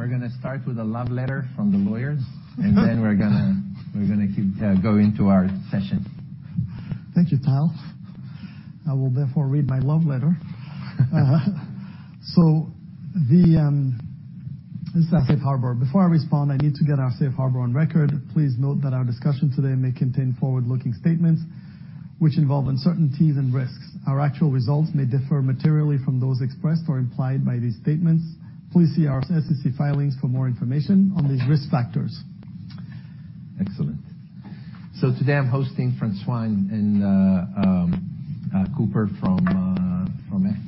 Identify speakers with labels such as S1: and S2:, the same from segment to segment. S1: We're gonna start with a love letter from the lawyers. Then we're gonna go into our session.
S2: Thank you, Tal. I will therefore read my love letter. This is our safe harbor. Before I respond, I need to get our safe harbor on record. Please note that our discussion today may contain forward-looking statements which involve uncertainties and risks. Our actual results may differ materially from those expressed or implied by these statements. Please see our SEC filings for more information on these risk factors.
S1: Excellent. Today, I'm hosting François and Cooper from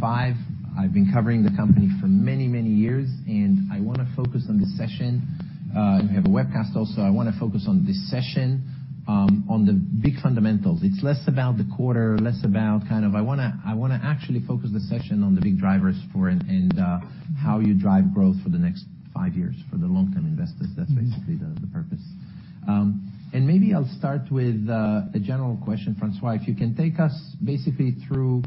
S1: F5. I've been covering the company for many, many years, and I wanna focus on this session. We have a webcast also. I wanna focus on this session, on the big fundamentals. It's less about the quarter, less about kind of, I wanna actually focus the session on the big drivers for and how you drive growth for the next five years for the long-term investors. That's basically the purpose. Maybe I'll start with a general question, François. If you can take us basically through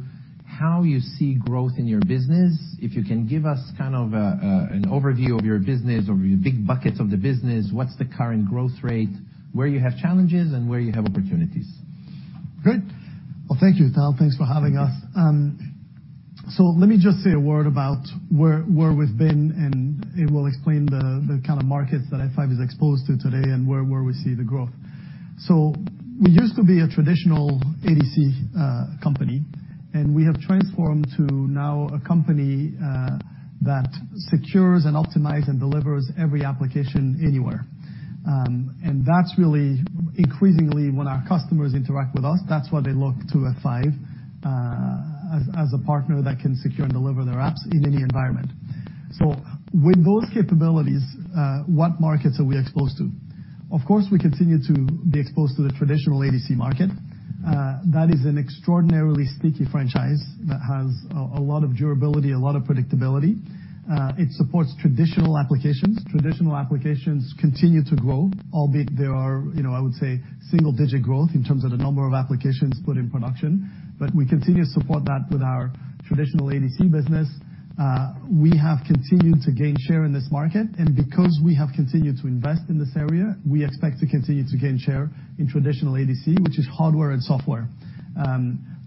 S1: how you see growth in your business. If you can give us kind of an overview of your business or your big buckets of the business, what's the current growth rate, where you have challenges, and where you have opportunities?
S2: Great. Well, thank you, Tal. Thanks for having us. Let me just say a word about where we've been, and it will explain the kind of markets that F5 is exposed to today and where we see the growth. We used to be a traditional ADC company, and we have transformed to now a company that secures and optimize and delivers every application anywhere. That's really. Increasingly, when our customers interact with us, that's why they look to F5 as a partner that can secure and deliver their apps in any environment. With those capabilities, what markets are we exposed to? Of course, we continue to be exposed to the traditional ADC market. That is an extraordinarily sticky franchise that has a lot of durability, a lot of predictability. It supports traditional applications. Traditional applications continue to grow, albeit there are, you know, I would say, single-digit growth in terms of the number of applications put in production. We continue to support that with our traditional ADC business. We have continued to gain share in this market, and because we have continued to invest in this area, we expect to continue to gain share in traditional ADC, which is hardware and software.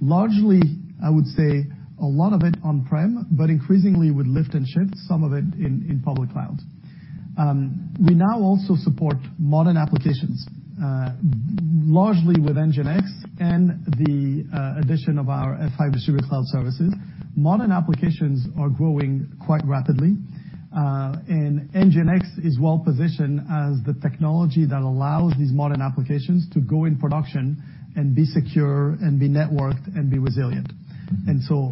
S2: Largely, I would say a lot of it on-prem, but increasingly with lift and shift, some of it in public clouds. We now also support modern applications, largely with NGINX and the addition of our F5 Distributed Cloud Services. Modern applications are growing quite rapidly, and NGINX is well-positioned as the technology that allows these modern applications to go in production and be secure and be networked, and be resilient.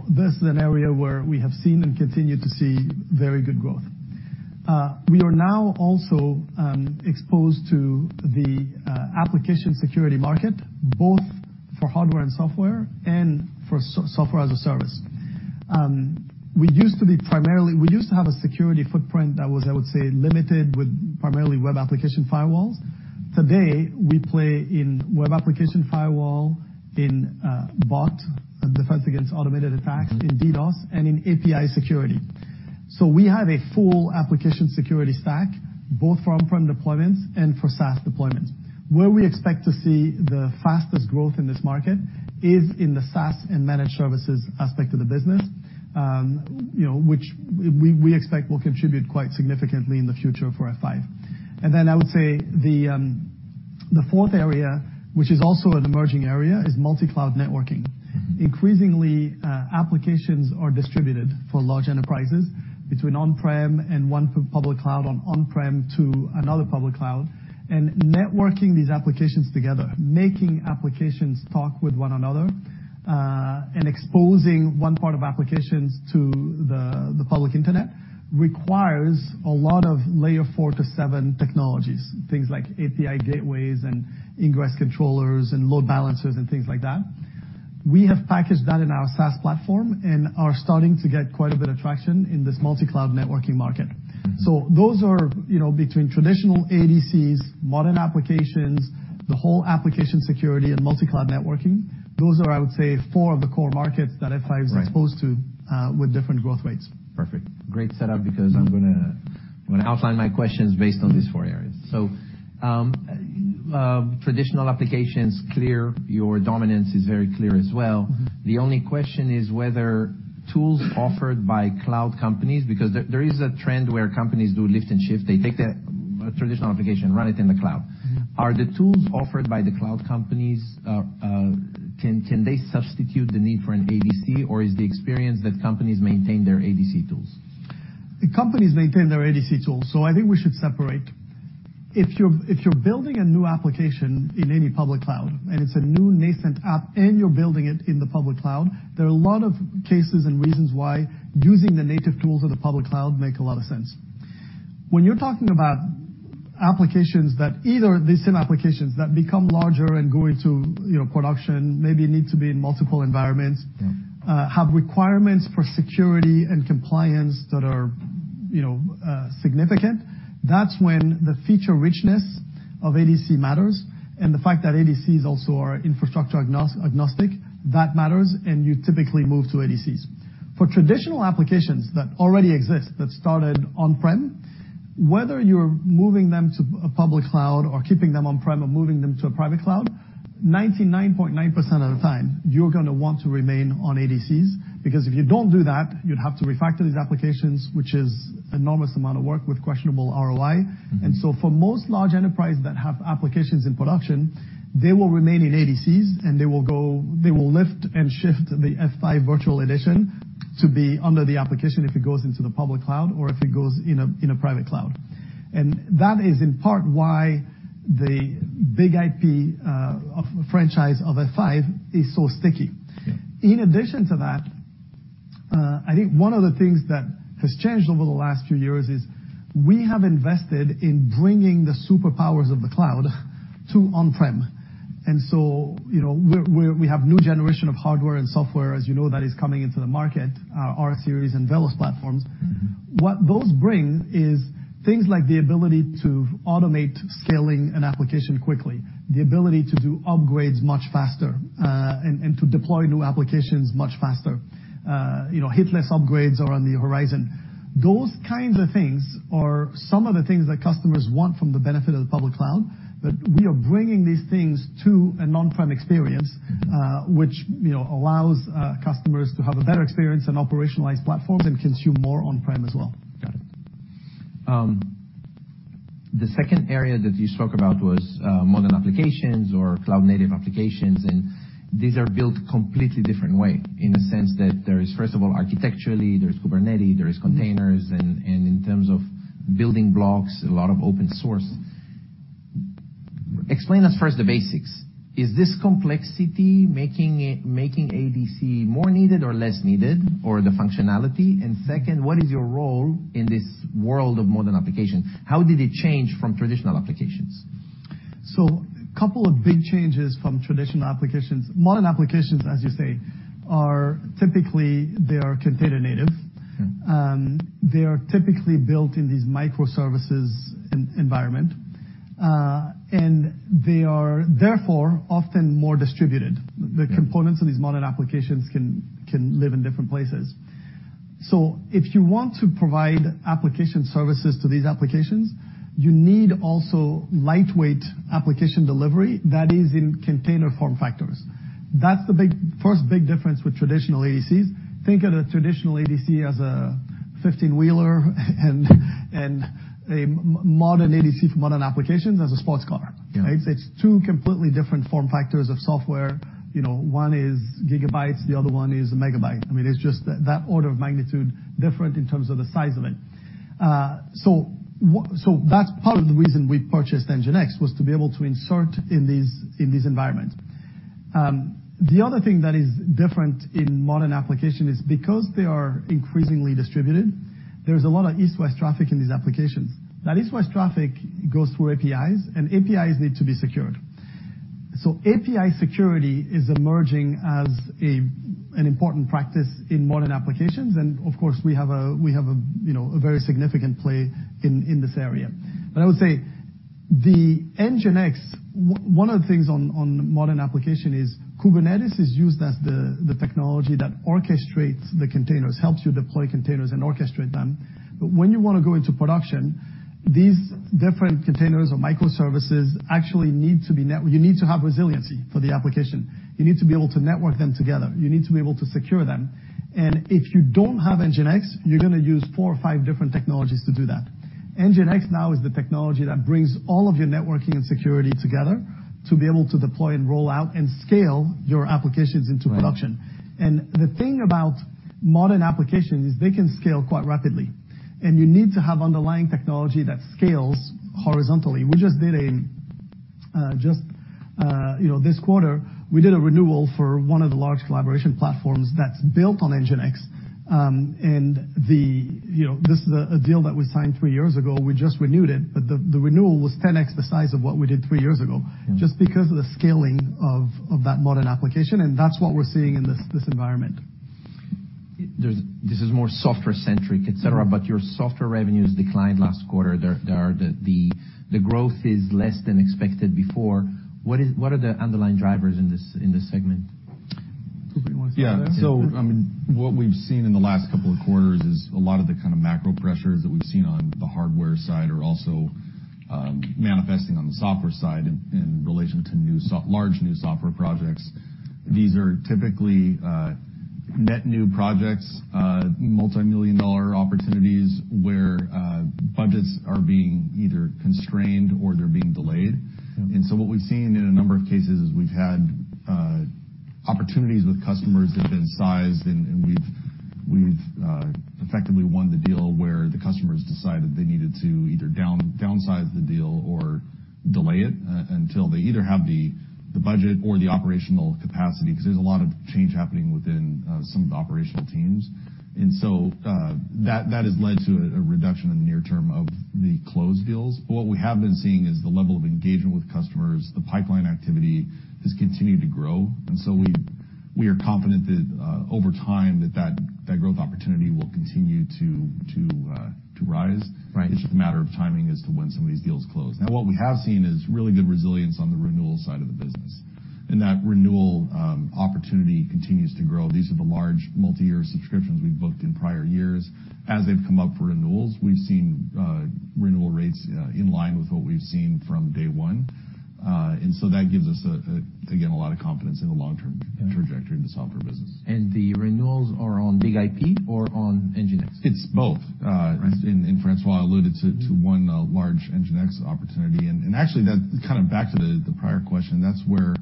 S2: This is an area where we have seen and continue to see very good growth. We are now also exposed to the application security market, both for hardware and software and for software as a service. We used to have a security footprint that was, I would say, limited with primarily web application firewalls. Today, we play in web application firewall, in Bot, defense against automated attacks, in DDoS, and in API security. We have a full application security stack, both for on-prem deployments and for SaaS deployments. Where we expect to see the fastest growth in this market is in the SaaS and managed services aspect of the business, you know, which we expect will contribute quite significantly in the future for F5. I would say the fourth area, which is also an emerging area, is multi-cloud networking. Increasingly, applications are distributed for large enterprises between on-prem and one public cloud on on-prem to another public cloud. Networking these applications together, making applications talk with one another, and exposing one part of applications to the public internet, requires a lot of Layer 4 to 7 technologies, things like API gateways and ingress controllers and load balancers and things like that. We have packaged that in our SaaS platform and are starting to get quite a bit of traction in this multi-cloud networking market. Those are, you know, between traditional ADCs, modern applications, the whole application security and multi-cloud networking, those are, I would say, four of the core markets that F5 is exposed to, with different growth rates.
S1: Perfect. Great setup, because I'm gonna outline my questions based on these four areas. traditional applications, clear. Your dominance is very clear as well. The only question is whether tools offered by cloud companies, because there is a trend where companies do lift and shift. They take the traditional application, run it in the cloud. Are the tools offered by the cloud companies, can they substitute the need for an ADC, or is the experience that companies maintain their ADC tools?
S2: The companies maintain their ADC tools. I think we should separate. If you're building a new application in any public cloud, and it's a new nascent app, and you're building it in the public cloud, there are a lot of cases and reasons why using the native tools of the public cloud make a lot of sense. When you're talking about applications that either the same applications that become larger and go into, you know, production, maybe need to be in multiple environments have requirements for security and compliance, you know, significant, that's when the feature richness of ADC matters, and the fact that ADCs also are infrastructure agnostic, that matters, and you typically move to ADCs. For traditional applications that already exist, that started on-prem, whether you're moving them to a public cloud or keeping them on-prem or moving them to a private cloud, 99.9% of the time, you're gonna want to remain on ADCs. Because if you don't do that, you'd have to refactor these applications, which is enormous amount of work with questionable ROI. For most large enterprise that have applications in production, they will remain in ADCs, and they will lift and shift the BIG-IP Virtual Edition to be under the application if it goes into the public cloud or if it goes in a private cloud. That is, in part, why the BIG-IP franchise of F5 is so sticky.
S1: Yeah.
S2: In addition to that, I think one of the things that has changed over the last few years is we have invested in bringing the superpowers of the cloud to on-prem. You know, we're we have new generation of hardware and software, as you know, that is coming into the market, our rSeries and VELOS platforms. What those bring is things like the ability to automate scaling an application quickly, the ability to do upgrades much faster, and to deploy new applications much faster. You know, hitless upgrades are on the horizon. Those kinds of things are some of the things that customers want from the benefit of the public cloud. We are bringing these things to an on-prem experience, which, you know, allows customers to have a better experience and operationalize platforms and consume more on-prem as well.
S1: Got it. The second area that you spoke about was modern applications or cloud-native applications. These are built completely different way, in the sense that there is, first of all, architecturally, there's Kubernetes, there is containers in terms of building blocks, a lot of open source. Explain us first the basics. Is this complexity making ADC more needed or less needed, or the functionality? Second, what is your role in this world of modern applications? How did it change from traditional applications?
S2: Couple of big changes from traditional applications. Modern applications, as you say, are typically, they are container-native.
S1: Yeah.
S2: They are typically built in these microservices environment, and they are therefore, often more distributed.
S1: Yeah.
S2: The components of these modern applications can live in different places. If you want to provide application services to these applications, you need also lightweight application delivery that is in container form factors. That's the first big difference with traditional ADCs. Think of the traditional ADC as a 15-wheeler and a modern ADC for modern applications as a sports car.
S1: Yeah.
S2: Right? It's two completely different form factors of software. You know, one is GB, the other one is MB. I mean, it's just that order of magnitude different in terms of the size of it. That's part of the reason we purchased NGINX, was to be able to insert in these, in these environments. The other thing that is different in modern application is because they are increasingly distributed, there's a lot of east-west traffic in these applications. That east-west traffic goes through APIs, and APIs need to be secured. API security is emerging as a, an important practice in modern applications, and of course, we have a, you know, a very significant play in this area. I would say the NGINX. One of the things on modern application is, Kubernetes is used as the technology that orchestrates the containers, helps you deploy containers and orchestrate them. When you wanna go into production, these different containers or microservices actually need to have resiliency for the application. You need to be able to network them together. You need to be able to secure them. If you don't have NGINX, you're gonna use four or five different technologies to do that. NGINX now is the technology that brings all of your networking and security together, to be able to deploy and roll out and scale your applications into production.
S1: Right.
S2: The thing about modern applications is they can scale quite rapidly, and you need to have underlying technology that scales horizontally. We just did a, you know, this quarter, we did a renewal for one of the large collaboration platforms that's built on NGINX. You know, this is a deal that was signed three years ago. We just renewed it, but the renewal was 10x the size of what we did three years ago just because of the scaling of that modern application, and that's what we're seeing in this environment.
S1: This is more software centric, etc. Your software revenues declined last quarter. The growth is less than expected before. What are the underlying drivers in this segment?
S2: Do you wanna start that?
S3: I mean, what we've seen in the last couple of quarters is a lot of the kind of macro pressures that we've seen on the hardware side are also manifesting on the software side in relation to large new software projects. These are typically net new projects, multimillion-dollar opportunities, where budgets are being either constrained or they're being delayed. What we've seen in a number of cases is, we've had opportunities with customers that have been sized, and we've effectively won the deal, where the customers decided they needed to either downsize the deal or delay it until they either have the budget or the operational capacity. Because there's a lot of change happening within some of the operational teams. That has led to a reduction in the near term of the closed deals. But what we have been seeing is the level of engagement with customers, the pipeline activity, has continued to grow. We are confident that over time, that growth opportunity will continue to rise.
S1: Right.
S3: It's just a matter of timing as to when some of these deals close. What we have seen is really good resilience on the renewal side of the business. That renewal opportunity continues to grow. These are the large multi-year subscriptions we've booked in prior years. They've come up for renewals, we've seen renewal rates in line with what we've seen from day one. That gives us again a lot of confidence in the long-term trajectory of the software business.
S1: The renewals are on BIG-IP or on NGINX?
S3: It's both.
S1: Right.
S3: Francois alluded to one large NGINX opportunity. Actually, that kind of back to the prior question, that's where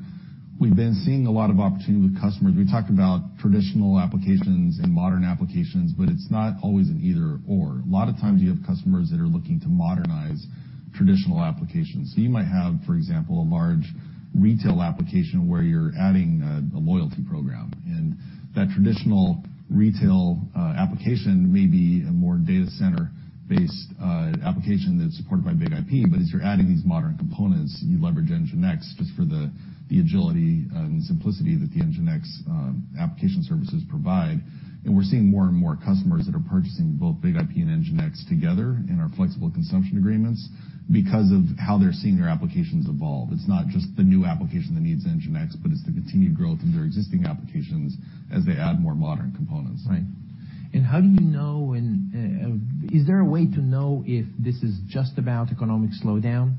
S3: we've been seeing a lot of opportunity with customers. We talked about traditional applications and modern applications. It's not always an either/or. A lot of times you have customers that are looking to modernize traditional applications. You might have, for example, a large retail application where you're adding a loyalty program, and that traditional retail application may be a more data center-based application that's supported by BIG-IP. As you're adding these modern components, you leverage NGINX just for the agility and simplicity that the NGINX application services provide. We're seeing more and more customers that are purchasing both BIG-IP and NGINX together in our flexible consumption agreements because of how they're seeing their applications evolve. It's not just the new application that needs NGINX, but it's the continued growth in their existing applications as they add more modern components.
S1: Right. Is there a way to know if this is just about economic slowdown?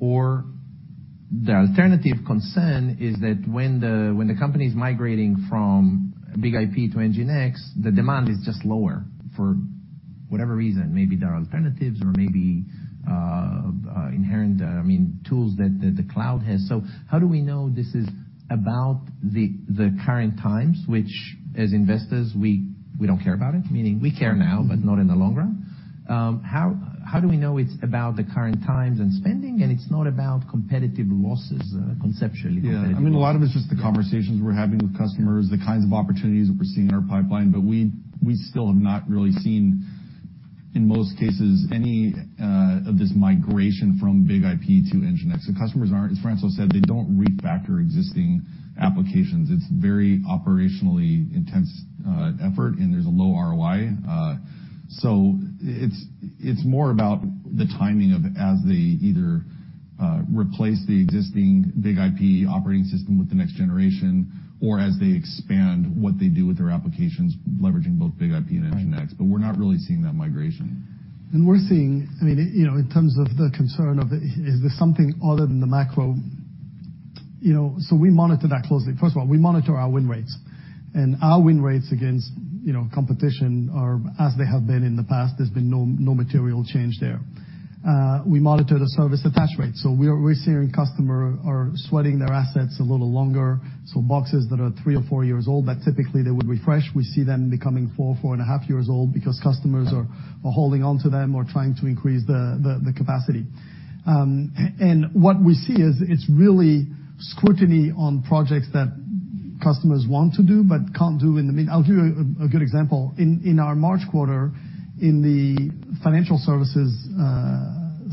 S1: The alternative concern is that when the company is migrating from BIG-IP to NGINX, the demand is just lower for whatever reason. Maybe there are alternatives or maybe inherent, I mean, tools that the cloud has. How do we know this is about the current times, which, as investors, we don't care about it? Meaning, we care now, but not in the long run. How do we know it's about the current times and spending, and it's not about competitive losses, conceptually, competitive?
S3: Yeah. I mean, a lot of it's just the conversations we're having with customers, the kinds of opportunities that we're seeing in our pipeline, but we still have not really seen, in most cases, any of this migration from BIG-IP to NGINX. The customers aren't, as François said, they don't refactor existing applications. It's very operationally intense effort, and there's a low ROI. It's, it's more about the timing of as they either replace the existing BIG-IP operating system with the next generation or as they expand what they do with their applications, leveraging both BIG-IP and NGINX.
S1: Right.
S3: We're not really seeing that migration.
S2: We're seeing, I mean, you know, in terms of the concern of, is there something other than the macro? You know, we monitor that closely. First of all, we monitor our win rates, and our win rates against, you know, competition are as they have been in the past. There's been no material change there. We monitor the service attach rate. We're seeing customer are sweating their assets a little longer. Boxes that are three or four years old, that typically they would refresh, we see them becoming four and a half years old because customers are holding on to them or trying to increase the capacity. What we see is, it's really scrutiny on projects that customers want to do but can't do in the mean. I'll do a good example. In our March quarter, in the financial services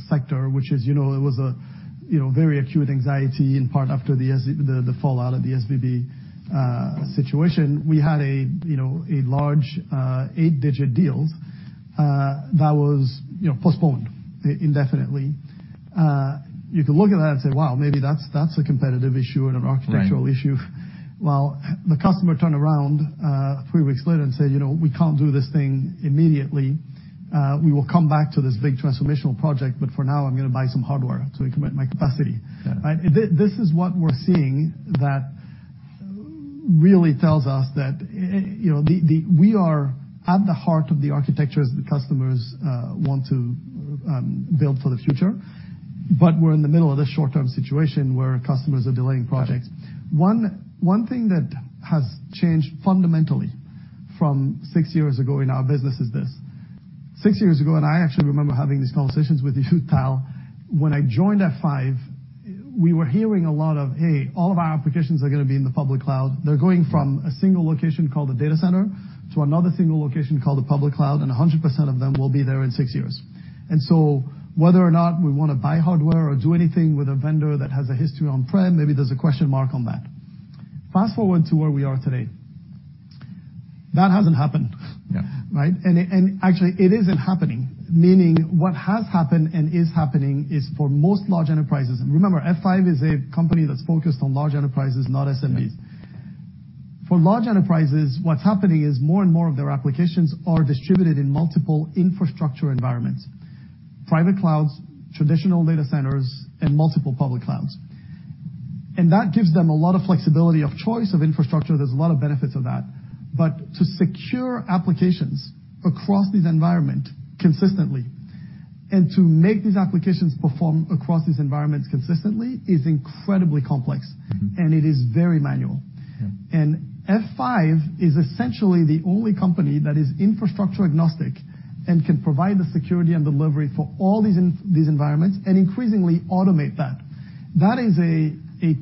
S2: sector, which is, you know, it was a, you know, very acute anxiety, in part after the fallout of the SVB situation. We had a, you know, a large, 8-digit deal, that was, you know, postponed indefinitely. You could look at that and say, "Wow, maybe that's a competitive issue and an architectural issue.
S1: Right.
S2: The customer turned around, 3 weeks later and said: "You know, we can't do this thing immediately. We will come back to this big transformational project, but for now, I'm gonna buy some hardware so we can meet my capacity. Right? This is what we're seeing that really tells us that, you know, the, we are at the heart of the architectures that customers want to build for the future, but we're in the middle of this short-term situation where customers are delaying projects. One thing that has changed fundamentally from six years ago in our business is this: six years ago, and I actually remember having these conversations with you, Tal, when I joined F5, we were hearing a lot of, "Hey, all of our applications are gonna be in the public cloud. They're going from a single location called a data center to another single location called the public cloud, and 100% of them will be there in six years." Whether or not we want to buy hardware or do anything with a vendor that has a history on-prem, maybe there's a question mark on that. Fast-forward to where we are today. That hasn't happened.
S1: Yeah.
S2: Right? it, and actually, it isn't happening, meaning what has happened and is happening is for most large enterprises. Remember, F5 is a company that's focused on large enterprises, not SMBs.
S1: Right.
S2: For large enterprises, what's happening is more and more of their applications are distributed in multiple infrastructure environments: private clouds, traditional data centers, and multiple public clouds. That gives them a lot of flexibility of choice of infrastructure. There's a lot of benefits of that. To secure applications across this environment consistently and to make these applications perform across these environments consistently is incredibly complex, and it is very manual. F5 is essentially the only company that is infrastructure agnostic and can provide the security and delivery for all these environments and increasingly automate that. That is a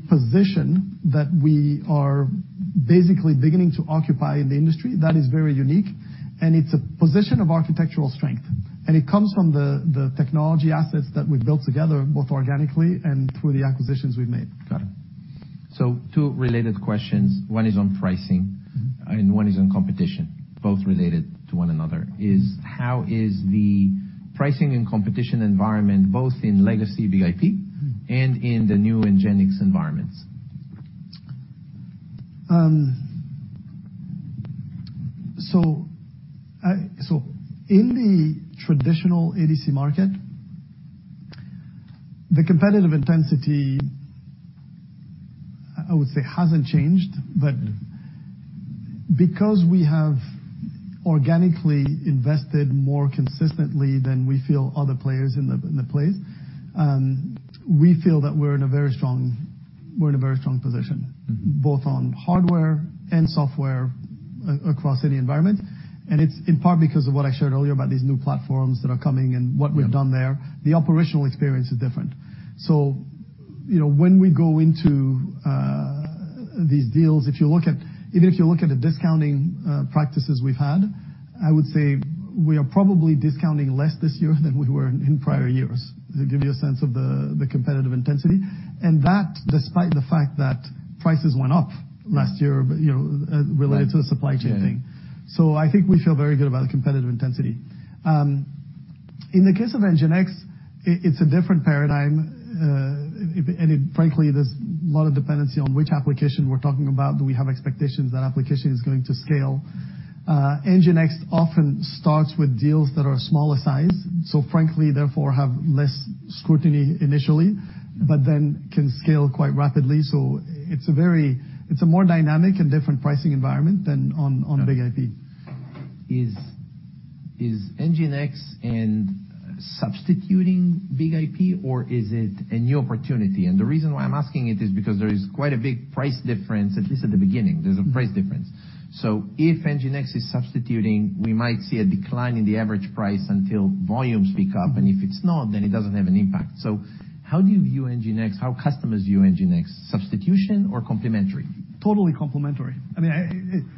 S2: position that we are basically beginning to occupy in the industry that is very unique, and it's a position of architectural strength. It comes from the technology assets that we've built together, both organically and through the acquisitions we've made.
S1: Two related questions. One is on pricing and one is on competition, both related to one another, is how is the pricing and competition environment, both in legacy BIG-IP and in the new NGINX environments?
S2: I, so in the traditional ADC market, the competitive intensity, I would say, hasn't changed. Because we have organically invested more consistently than we feel other players in the place, we feel that we're in a very strong position, both on hardware and software across any environment. It's in part because of what I shared earlier about these new platforms that are coming and what we've done there, the operational experience is different. You know, when we go into these deals, if you look at even if you look at the discounting practices we've had, I would say we are probably discounting less this year than we were in prior years. To give you a sense of the competitive intensity, and that despite the fact that prices went up last year, but, you know, related to the supply chain thing. I think we feel very good about the competitive intensity. In the case of NGINX, it's a different paradigm, and it frankly, there's a lot of dependency on which application we're talking about. Do we have expectations that application is going to scale? NGINX often starts with deals that are smaller size, so frankly, therefore, have less scrutiny initially, but then can scale quite rapidly. It's a more dynamic and different pricing environment than on BIG-IP.
S1: Is NGINX and substituting BIG-IP, or is it a new opportunity? The reason why I'm asking it, is because there is quite a big price difference, at least at the beginning, there's a price difference. If NGINX is substituting, we might see a decline in the average price until volumes pick up, and if it's not, then it doesn't have an impact. How do you view NGINX? How customers view NGINX, substitution or complementary?
S2: Totally complementary. I mean,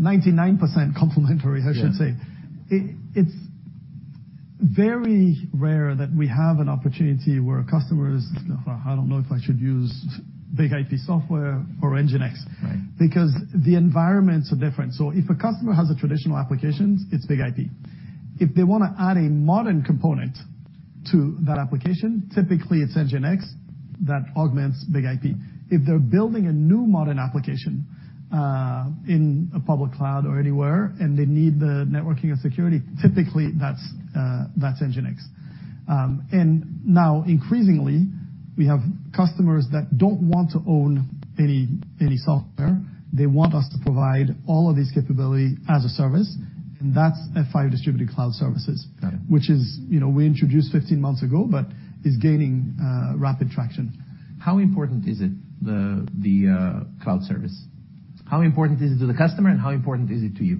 S2: 99% complementary, I should say.
S1: Yeah.
S2: It's very rare that we have an opportunity where customers, "I don't know if I should use BIG-IP software or NGINX.
S1: Right.
S2: The environments are different. If a customer has a traditional applications it's BIG-IP. If they wanna add a modern component to that application, typically it's NGINX that augments BIG-IP. If they're building a new modern application, in a public cloud or anywhere, and they need the networking and security, typically that's NGINX. Now increasingly, we have customers that don't want to own any software. They want us to provide all of this capability as a service, and that's F5 Distributed Cloud Services.
S1: Got it.
S2: Which is, you know, we introduced 15 months ago, but is gaining rapid traction.
S1: How important is it, the cloud service? How important is it to the customer, and how important is it to you?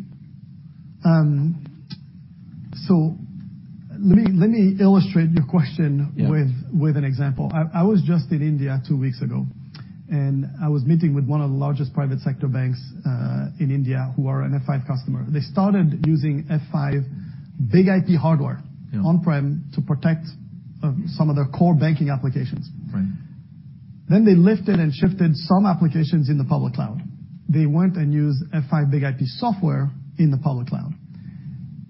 S2: Let me illustrate your question with an example. I was just in India 2 weeks ago, and I was meeting with one of the largest private sector banks in India, who are an F5 customer. They started using F5 BIG-IP hardware on-prem to protect, some of their core banking applications. They lifted and shifted some applications in the public cloud. They went and used F5 BIG-IP software in the public cloud.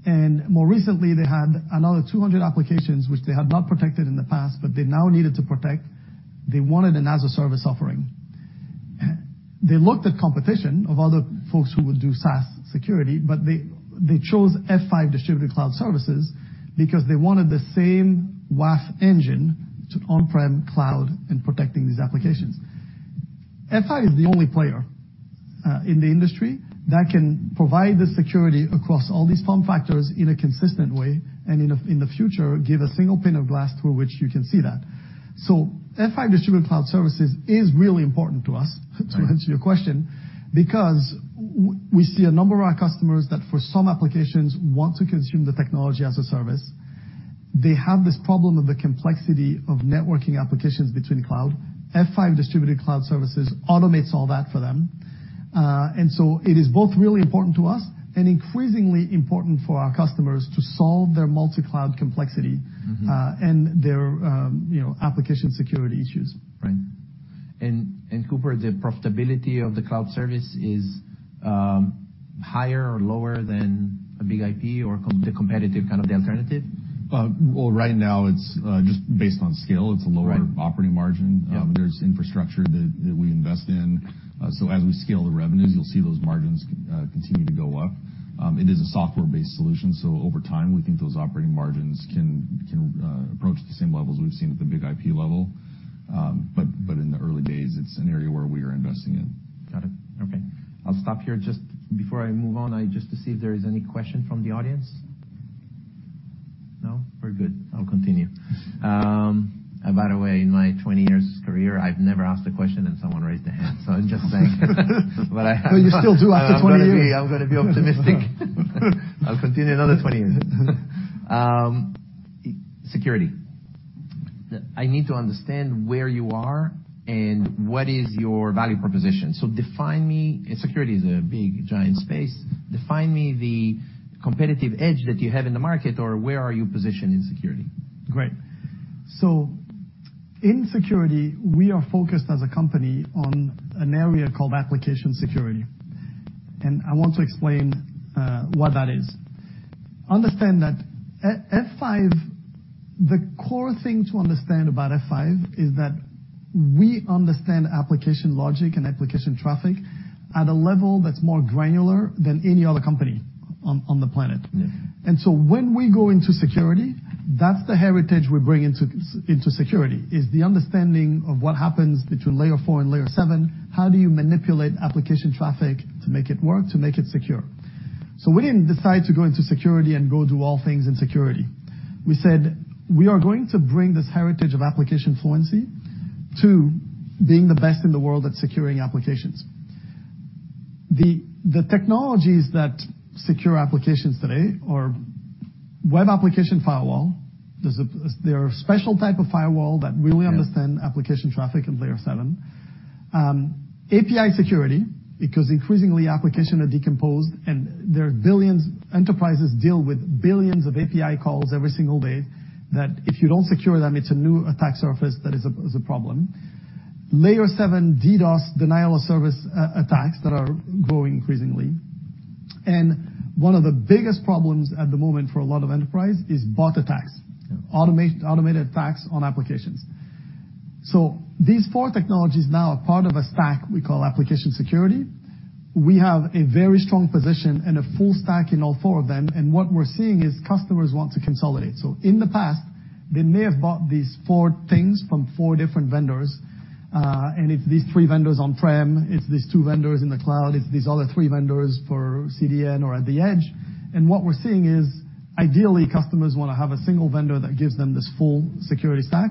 S2: More recently, they had another 200 applications, which they had not protected in the past, but they now needed to protect. They wanted an as-a-service offering. They looked at competition of other folks who would do SaaS security, but they chose F5 Distributed Cloud Services because they wanted the same WAF engine to on-prem cloud and protecting these applications. F5 is the only player in the industry that can provide the security across all these form factors in a consistent way, and in the future, give a single pane of glass through which you can see that. F5 Distributed Cloud Services is really important to us to answer your question, because we see a number of our customers that, for some applications, want to consume the technology as a service. They have this problem of the complexity of networking applications between cloud. F5 Distributed Cloud Services automates all that for them. It is both really important to us and increasingly important for our customers to solve their multi-cloud complexity and their, you know, application security issues.
S1: Right. Cooper, the profitability of the cloud service is higher or lower than a BIG-IP or the competitive kind of the alternative?
S3: Well, right now, it's, just based on scale, it's a operating margin. There's infrastructure that we invest in. As we scale the revenues, you'll see those margins continue to go up. It is a software-based solution, over time, we think those operating margins can approach the same levels we've seen at the BIG-IP level. In the early days, it's an area where we are investing in.
S1: Got it. Okay, I'll stop here. Just before I move on, I just to see if there is any question from the audience. No? We're good. I'll continue. By the way, in my 20 years career, I've never asked a question and someone raised their hand, so I'm just saying.
S2: You still do after 20 years.
S1: I'm gonna be optimistic. I'll continue another 20 years. Security. I need to understand where you are and what is your value proposition. Security is a big, giant space. Define me the competitive edge that you have in the market, or where are you positioned in security?
S2: Great. In security, we are focused as a company on an area called application security. I want to explain what that is. Understand that F5, the core thing to understand about F5 is that we understand application logic and application traffic at a level that's more granular than any other company on the planet. When we go into security, that's the heritage we bring into security, is the understanding of what happens between Layer 4 and Layer 7. How do you manipulate application traffic to make it work, to make it secure? We didn't decide to go into security and go do all things in security. We said, we are going to bring this heritage of application fluency to being the best in the world at securing applications. The technologies that secure applications today are web application firewall. They're a special type of firewall that understand application traffic in Layer 7. API security, because increasingly, application are decomposed, and there are billions. Enterprises deal with billions of API calls every single day, that if you don't secure them, it's a new attack surface that is a problem. Layer 7 DDoS, denial of service, attacks that are growing increasingly. One of the biggest problems at the moment for a lot of enterprise is BOT attacks, automated attacks on applications. These 4 technologies now are part of a stack we call application security. We have a very strong position and a full stack in all 4 of them, and what we're seeing is customers want to consolidate. In the past, they may have bought these 4 things from 4 different vendors. It's these 3 vendors on-prem, it's these 2 vendors in the cloud, it's these other 3 vendors for CDN or at the edge. What we're seeing is, ideally, customers wanna have a single vendor that gives them this full security stack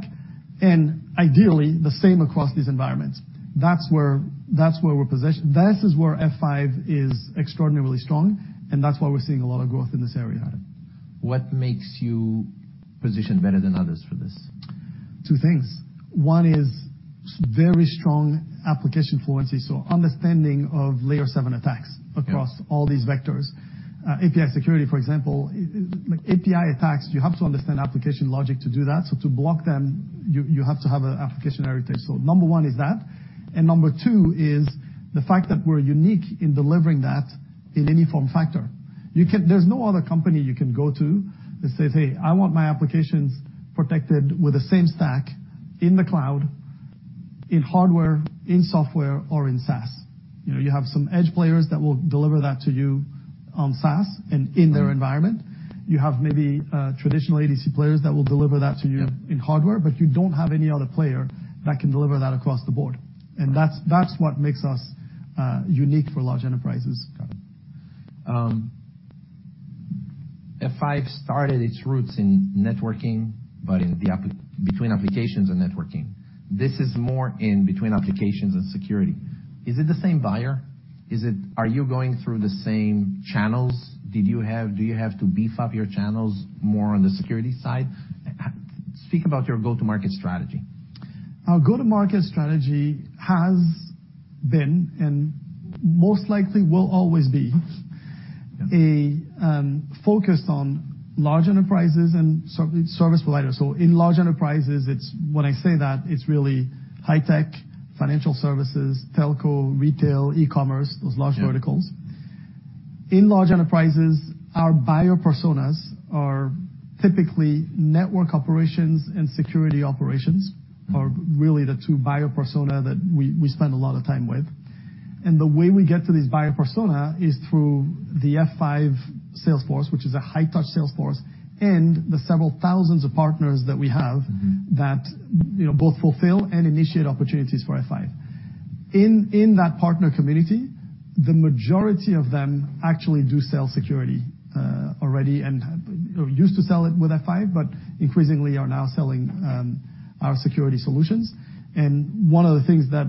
S2: and ideally, the same across these environments. That's where we're positioned. This is where F5 is extraordinarily strong, and that's why we're seeing a lot of growth in this area.
S1: What makes you positioned better than others for this?
S2: Two things. One is very strong application fluency, so understanding of Layer 7 attack across all these vectors. API security, for example, like API attacks, you have to understand application logic to do that. To block them, you have to have an application heritage. Number one is that, and number two is the fact that we're unique in delivering that in any form factor. There's no other company you can go to that says, "Hey, I want my applications protected with the same stack in the cloud, in hardware, in software or in SaaS." You know, you have some edge players that will deliver that to you on SaaS and in their environment. You have maybe traditional ADC players that will deliver that to you. In hardware, but you don't have any other player that can deliver that across the board. That's what makes us unique for large enterprises.
S1: Got it. F5 started its roots in networking, between applications and networking. This is more in between applications and security. Is it the same buyer? Are you going through the same channels? Do you have to beef up your channels more on the security side? Speak about your go-to-market strategy.
S2: Our go-to-market strategy has been, and most likely will always be focused on large enterprises and service providers. In large enterprises, it's, when I say that, it's really high tech, financial services, telco, retail, e-commerce, those large verticals. In large enterprises, our buyer personas are typically network operations and security operations are really the two buyer persona that we spend a lot of time with. The way we get to this buyer persona is through the F5 sales force, which is a high-touch sales force, and the several thousands of partners that we have that, you know, both fulfill and initiate opportunities for F5. In that partner community, the majority of them actually do sell security already and used to sell it with F5, but increasingly are now selling our security solutions. One of the things that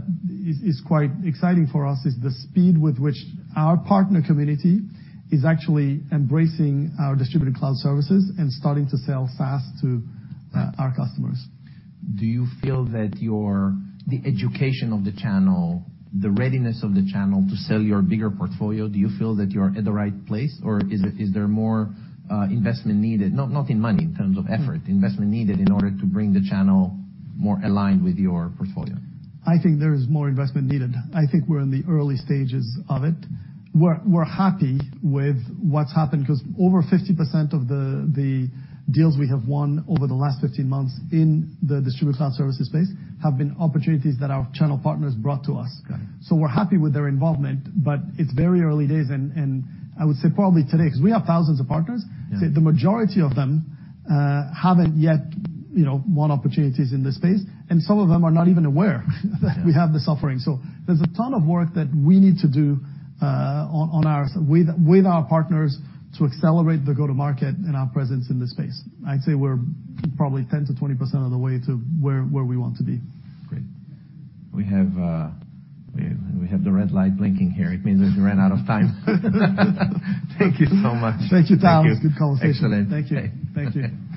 S2: is quite exciting for us, is the speed with which our partner community is actually embracing our Distributed Cloud Services and starting to sell SaaS to our customers.
S1: Do you feel that the education of the channel, the readiness of the channel to sell your bigger portfolio, do you feel that you're at the right place, or is there more investment needed? Not in money, in terms of effort, investment needed in order to bring the channel more aligned with your portfolio?
S2: I think there is more investment needed. I think we're in the early stages of it. We're happy with what's happened, 'cause over 50% of the deals we have won over the last 15 months in the Distributed Cloud Services space have been opportunities that our channel partners brought to us. We're happy with their involvement, but it's very early days, and I would say probably today, 'cause we have thousands of partners. The majority of them, haven't yet, you know, won opportunities in this space, and some of them are not even aware. We have this offering. There's a ton of work that we need to do with our partners to accelerate the go-to-market and our presence in this space. I'd say we're probably 10%-20% of the way to where we want to be.
S1: Great. We have the red light blinking here. It means that we ran out of time. Thank you so much.
S2: Thank you, Tal.
S1: Thank you.
S2: Good conversation.
S1: Excellent.
S3: Thank you.
S1: Okay.
S2: Thank you.